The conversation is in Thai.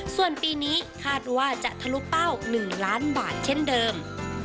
ส่วนปีนี้คาดว่าจะทะลุเป้า๑ล้านบาทเช่นเดิม